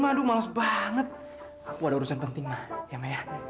aduh males banget aku ada urusan penting ya maya